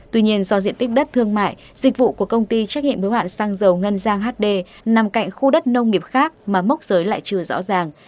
tuy nhiên do diện tích đất thương mại dịch vụ của công ty trách nhiệm yếu hạn xăng dầu ngân giang hd nằm cạnh khu đất nông nghiệp khác mà mốc giới lại chưa rõ ràng